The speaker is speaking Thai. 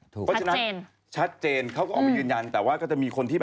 เพราะฉะนั้นชัดเจนเขาก็ออกมายืนยันแต่ว่าก็จะมีคนที่